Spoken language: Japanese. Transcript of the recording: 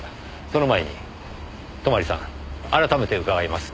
その前に泊さん改めて伺います。